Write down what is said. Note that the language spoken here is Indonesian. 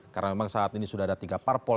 karena memang saat ini sudah ada tiga parpol